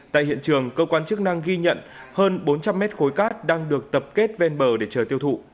tại hiện trường cơ quan chức năng ghi nhận hơn bốn trăm linh mét khối cát đang được tập kết ven bờ để chờ tiêu thụ